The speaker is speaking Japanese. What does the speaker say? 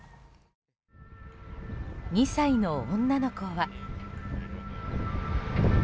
２歳の女の子は。